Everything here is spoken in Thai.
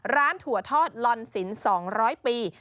ถั่วทอดลอนสิน๒๐๐ปี